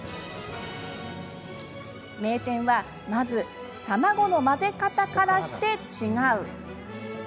名店はまず卵の混ぜ方からして違う！